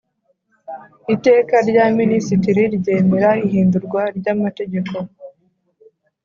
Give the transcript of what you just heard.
iteka rya minisitiri ryemera ihindurwa ry amategeko